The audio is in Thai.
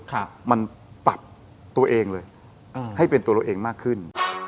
ครับมันปรับตัวเองเลยให้เป็นตัวเราเองมากขึ้น